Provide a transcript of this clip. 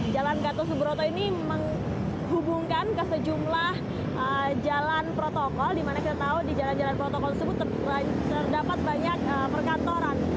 jalan gatot subroto ini menghubungkan ke sejumlah jalan protokol di mana kita tahu di jalan jalan protokol tersebut terdapat banyak perkantoran